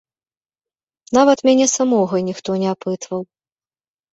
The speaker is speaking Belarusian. Нават мяне самога ніхто не апытваў.